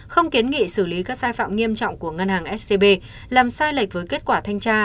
không kiến nghị xử lý các sai phạm nghiêm trọng của ngân hàng scb làm sai lệch với kết quả thanh tra